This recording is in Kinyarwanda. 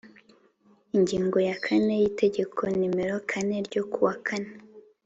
Ingingo ya kane y itegeko nomero kane ryo kuwa kane